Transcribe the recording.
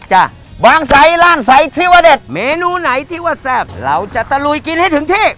บางใสล่านใสที่ว่าเด็ดเมนูไหนที่ว่าแซ่บเราจะตะลุยกินให้ถึงที่